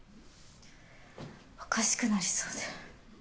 おかしくなりそうで。